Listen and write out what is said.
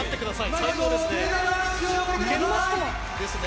最高ですね。